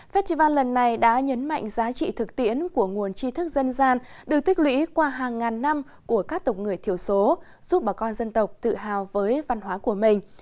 festival lần này đã nhấn mạnh giá trị thực tiễn của nguồn chi thức dân gian được tích lũy qua hàng ngàn năm của các tộc người thiểu số giúp bà con dân tộc tự hào với văn hóa của mình